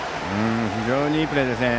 非常にいいプレーでしたね。